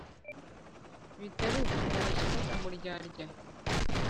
bitari ukumureshya no kumuryarya,